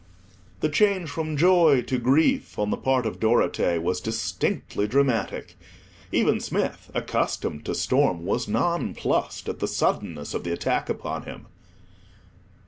The change from joy to grief on the part of Dorothea was distinctly dramatic. Even Smith, accustomed to storm, was nonplussed at the suddenness of the attack upon him.